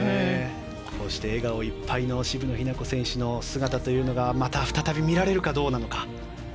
こうして笑顔いっぱいの渋野日向子選手の姿というのがまた再び見られるかどうなのか。